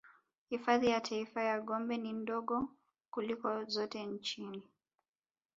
Hifadhi ya Taifa ya Gombe ni ndogo kuliko zote nchini